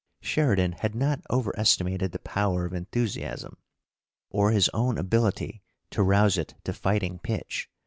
Sheridan had not overestimate the power of enthusiasm or his own ability to rouse it to fighting pitch.